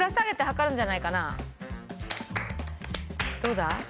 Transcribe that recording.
どうだ？